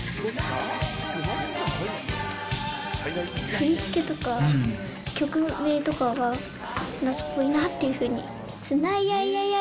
振り付けとか、曲名とかが夏っぽいなっていうふうに。